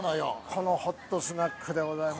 このホットスナックでございます。